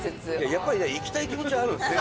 やっぱりじゃあ行きたい気持ちはあるんですね。